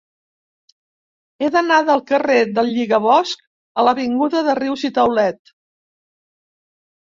He d'anar del carrer del Lligabosc a l'avinguda de Rius i Taulet.